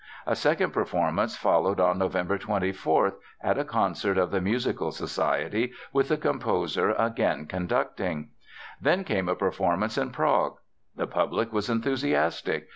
A second performance followed on November 24, at a concert of the Musical Society, with the composer again conducting. Then came a performance in Prague. The public was enthusiastic.